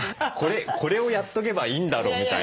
これをやっとけばいいんだろうみたいな。